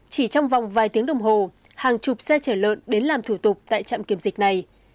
chỉ trong vòng vài tiếng đồng hồ hàng chục xe chở lợn đến làm thủ tục tại trạm kiểm dịch này